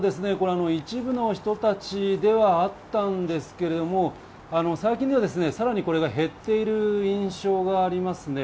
当初から一部の人たちではあったんですけれども、最近では、さらにこれが減っている印象があります。